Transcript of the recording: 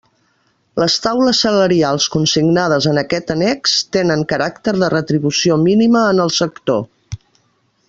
Les taules salarials consignades en aquest annex tenen caràcter de retribució mínima en el sector.